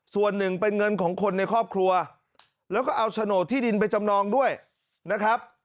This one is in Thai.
ส่วนหนึ่งเป็นเงินของคนในครอบครัวแล้วก็เอาโฉนดที่ดินไปจำนองด้วยนะครับ